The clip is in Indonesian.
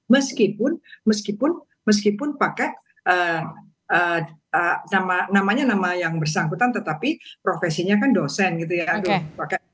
meskipun meskipun pakai nama namanya nama yang bersangkutan tetapi profesinya kan dosen gitu ya